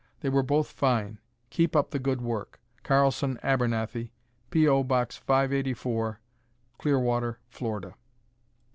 They were both fine. Keep up the good work Carlson Abernathy, P. O. Box 584, Clearwater, Florida.